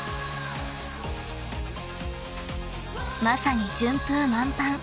［まさに順風満帆］